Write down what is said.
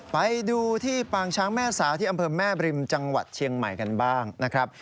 ไปดูที่ปางช้างแม่สาที่อำเภอแม่บริมจังหวัดเชียงใหม่กันบ้างนะครับ